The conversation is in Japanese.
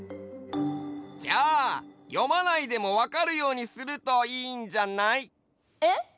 じゃあ読まないでもわかるようにするといいんじゃない？えっ？